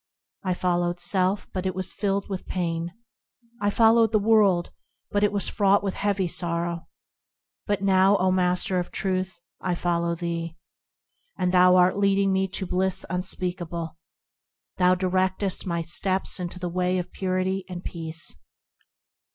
I followed self, but it was filled with pain; I followed the world but it was fraught with heavy sorrow ; But now, O Master of Truth I follow thee, And thou art leading me to bliss unspeakable ; Thou directest my steps into the way of purity and peace.